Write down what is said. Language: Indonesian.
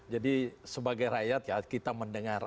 jadi sebagai rakyat ya kita mendengar